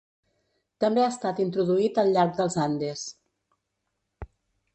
També ha estat introduït al llarg dels Andes.